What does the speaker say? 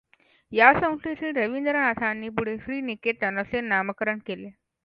याच संस्थेचे रवीन्द्रनाथांनी पुढे श्री निकेतन असे नामकरण केले.